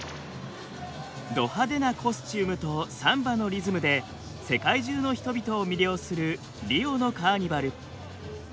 ド派手なコスチュームとサンバのリズムで世界中の人々を魅了するリオのカーニバル。